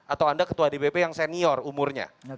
atau anda ketua dpp yang senior umurnya